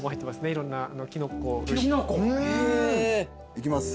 いろんなキノコ。いきます。